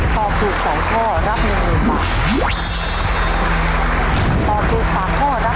ตอบถูก๓ข้อรับ๑๐๐๐๐๐ธบ